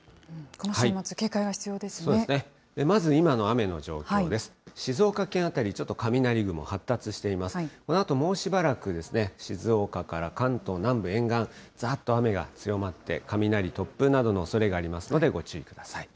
このあと、もうしばらく静岡から関東南部沿岸、ざーっと雨が強まって、雷、突風などのおそれがありますのでご注意ください。